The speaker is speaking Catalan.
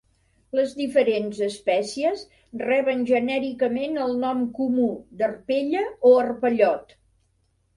Les diferents espècies reben genèricament el nom comú d'arpella o arpellot.